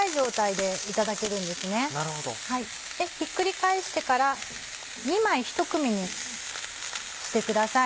でひっくり返してから２枚一組にしてください。